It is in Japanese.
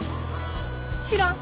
知らん！